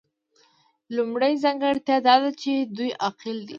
لومړۍ ځانګړتیا دا ده چې دوی عاقل دي.